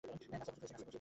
নাস্তা প্রস্তুত হয়েছে।